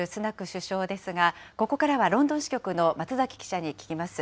首相ですが、ここからはロンドン支局の松崎記者に聞きます。